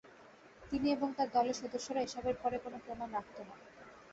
তিনি এবং তার দলের সদস্যরা এসবের পরে কোন প্রমাণ রাখতো নাহ।